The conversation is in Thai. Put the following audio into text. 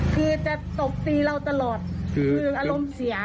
คือจะตบตีเราตลอดคืออารมณ์เสีย